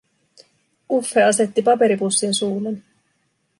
Uffe asetti paperipussin suulleni.